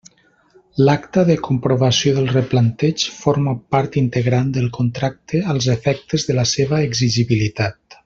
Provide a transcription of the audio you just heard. L'acta de comprovació del replanteig forma part integrant del contracte als efectes de la seva exigibilitat.